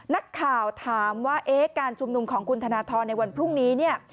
นักข่าวถามว่าเอ๊ะการชุมนุมของคุณธนทรในวันพรุ่งนี้เนี่ย